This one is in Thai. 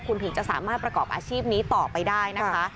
คุณถึงจะสามารถประกอบอาชีพนี้ต่อไปได้นะคะ